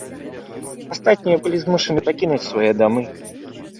Астатнія былі змушаны пакінуць свае дамы.